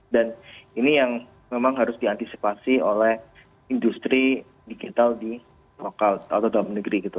dan ini yang memang harus diantisipasi oleh industri digital di lokal atau dalam negeri gitu